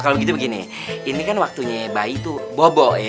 kalau begitu begini ini kan waktunya bayi tuh bobo